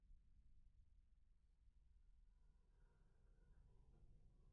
It is their first album with drummer Mattia Peruzzi.